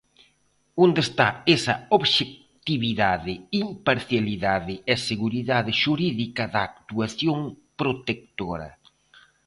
¿Onde está esa obxectividade, imparcialidade e seguridade xurídica da actuación protectora?